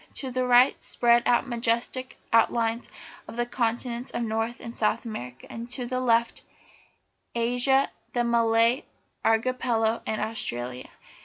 To the right spread out the majestic outlines of the continents of North and South America, and to the left Asia, the Malay Archipelago, and Australia.